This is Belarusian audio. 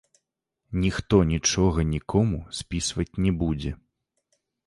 Ніхто нічога нікому спісваць не будзе.